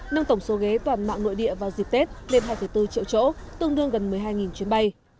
nâng tổng số ghế toàn mạng nội địa vào dịp tết lên hai bốn triệu chỗ tương đương gần một mươi hai chuyến bay